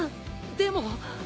でも。